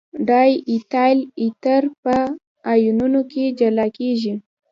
دای ایتایل ایتر په آیونونو نه جلا کیږي.